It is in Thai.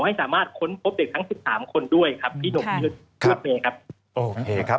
ให้สามารถค้นพบเด็กทั้ง๑๓คนด้วยครับที่นกยึดครับเนี่ยครับ